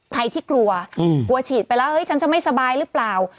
ใครที่กลัวกลัวฉีดไปแล้วเฮ้ฉันจะไม่สบายหรือเปล่า